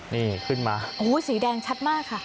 นี่ขึ้นมาโอ้โหสีแดงชัดมากค่ะ